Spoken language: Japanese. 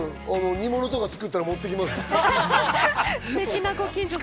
煮物とか作ったら持って行きますよ。